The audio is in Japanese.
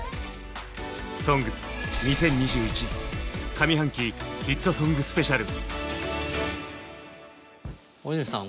「ＳＯＮＧＳ」２０２１上半期ヒットソングスペシャル！